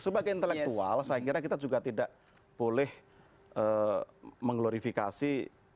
sebagai intelektual saya kira kita juga tidak boleh mengglorifikasi